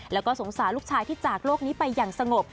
แล้วก็สงสารลูกชายที่จากโลกนี้ไปอย่างสงบ